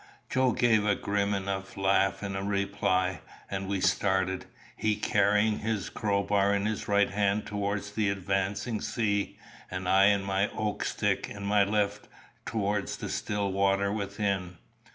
Joe gave a grim enough laugh in reply, and we started, he carrying his crowbar in his right hand towards the advancing sea, and I my oak stick in my left towards the still water within.